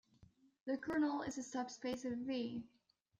The kernel is a subspace of "V".